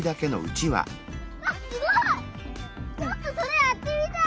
ちょっとそれやってみたい！